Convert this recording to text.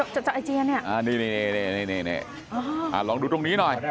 จากไอเจียเนี่ยนี่ลองดูตรงนี้หน่อย